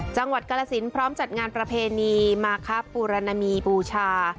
จังหวัดกาลสินพร้อมจัดงานประเพณีมาครับปูรณมีบูชา